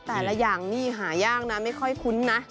แต่ละอย่างนี้หายากนะไม่ค่อยคุ้นนะ